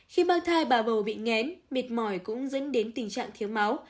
khi mang thai bà bầu bị ngén mệt mỏi cũng dẫn đến tình trạng thiếu máu